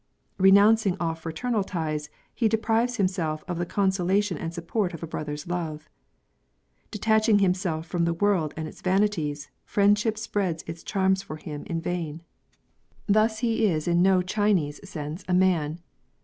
Renouncing all fraternal ties, he deprives himself of the consolation and support of a brother's love. De taching himself from the world and its vanities, friend ship spreads its charms for him in vain. Thus he B UDDHIST PRIESTS. 89 is in no Chinese sense a man.